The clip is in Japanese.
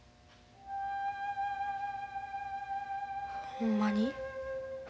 ほんまに？